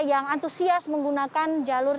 yang antusias menggunakan jalur